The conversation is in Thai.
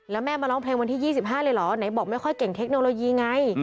แล้วแม่มาร้องเพลงวันที่๒๕เลยเหรอไหนบอกไม่ค่อยเก่งเทคโนโลยีไง